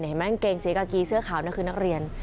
เห็นไหมกางเกงสีกากีเสื้อขาวนั่นคือนักเรียน